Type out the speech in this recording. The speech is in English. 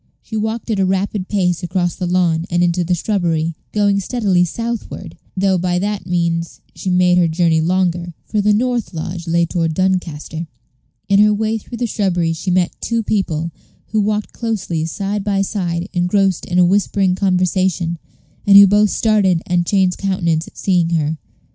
She walked at a rapid pace across the lawn, and into the shrubbery, going steadily southward, though by that means she made her journey longer; for the north lodge lay toward Doncaster. In her way through the shrubbery she met two people, who walked closely side by side, engrossed in a whispering conversation, and who both started and changed countenance at seeing her.